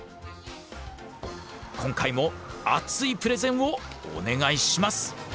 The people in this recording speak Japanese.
今回も熱いプレゼンをお願いします！